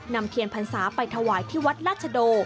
เทียนพรรษาไปถวายที่วัดราชโด